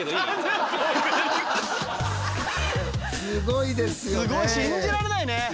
すごいですね。